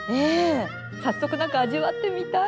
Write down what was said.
早速何か味わってみたい！